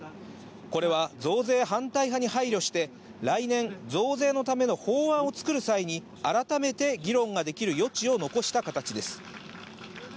これは増税反対派に配慮して、来年、増税のための法案を作る際に、改めて議論ができる余地を残した形です。